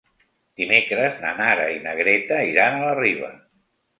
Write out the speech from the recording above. Dimecres na Nara i na Greta iran a la Riba.